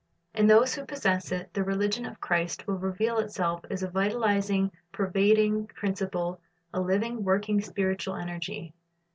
In those who possess it, the religion of Christ will reveal itself as a vitalizing, pervading principle, a living, working, spiritual energy.